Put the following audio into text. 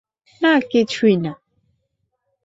না, কিছুই না।